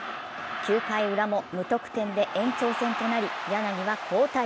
９回ウラも無得点で延長戦となり柳は交代。